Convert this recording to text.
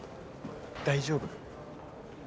大丈夫？